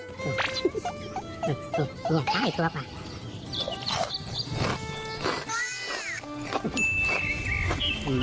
ชัดวะมันร่อยแรงร่อยราซ่าไปเลยค่ะผีน้องเอ้อ